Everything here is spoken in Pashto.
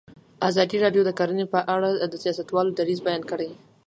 ازادي راډیو د کرهنه په اړه د سیاستوالو دریځ بیان کړی.